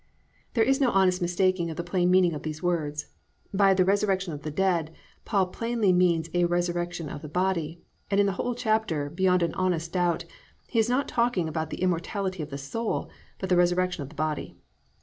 "+ There is no honest mistaking the plain meaning of these words: by the "resurrection of the dead" Paul plainly means a resurrection of the body; and in the whole chapter, beyond an honest doubt, he is not talking about the immortality of the soul, but the resurrection of the body.